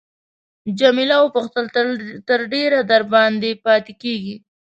جميله وپوښتل تر ډېره دباندې پاتې کیږې.